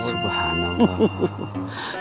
cibareng kok teh dikelilingi bukit besok